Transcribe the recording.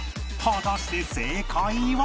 果たして正解は？